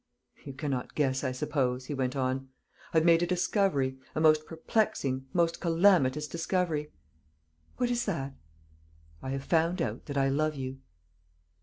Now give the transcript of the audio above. "You cannot guess, I suppose," he went on, "I've made a discovery a most perplexing, most calamitous discovery." "What is that?" "I have found out that I love you."